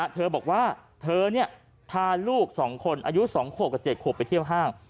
เธอบอกว่าเธอนี่พาลูกสองคนอายุสองโคบกับเจ็ดโคบไปเที่ยวห้าง